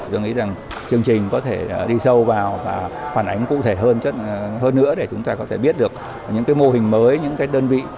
tôi nghĩ rằng chương trình có thể đi sâu vào và phản ánh cụ thể hơn nữa để chúng ta có thể biết được những cái mô hình mới những cái đơn vị